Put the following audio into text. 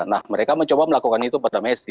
nah mereka mencoba melakukan itu pada messi